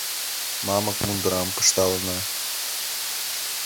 Мамык мундырам пышталына.